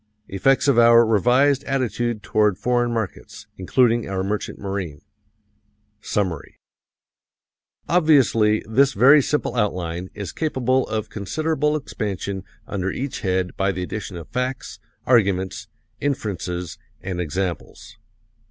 Effects of our revised attitude toward foreign markets, including our merchant marine. Summary. Obviously, this very simple outline is capable of considerable expansion under each head by the addition of facts, arguments, inferences and examples.